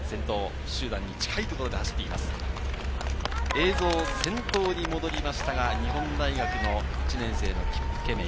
映像は先頭に戻りましたが、日本大学の１年生のキップケメイ。